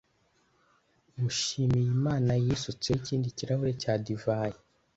Mushimiyimana yisutseho ikindi kirahure cya divayi.